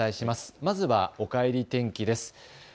まずはおかえり天気です。